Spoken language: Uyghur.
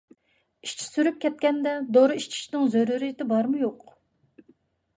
ئىچى سۈرۈپ كەتكەندە دورا ئىچىشنىڭ زۆرۈرىيىتى بارمۇ-يوق؟